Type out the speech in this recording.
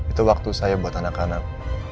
itu waktu saya buat anak anak